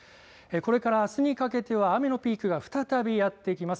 これからあすにかけては雨のピークが再びやって来ます。